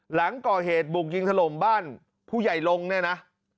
หลังก่อเหตุบุกยิงถล่มบ้านผู้ใหญ่ลงเนี่ยนะ